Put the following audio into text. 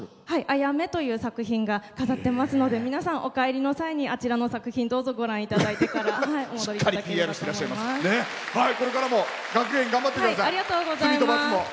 「あやめ」という作品が飾ってますので皆さん、おかえりの際あちらの作品どうぞご覧いただいてからお戻りになってください。